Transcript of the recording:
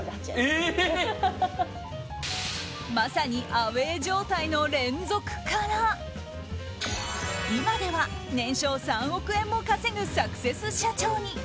まさにアウェー状態の連続から今では年商３億円も稼ぐサクセス社長に。